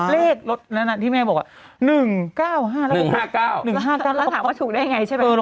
เลขลดที่แม่บอกว่า๑๙๕แล้วถามว่าถูกได้ยังไงใช่ไหม